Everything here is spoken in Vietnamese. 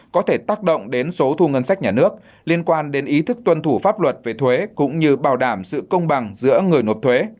có thể tác động đến số thu ngân sách nhà nước liên quan đến ý thức tuân thủ pháp luật về thuế cũng như bảo đảm sự công bằng giữa người nộp thuế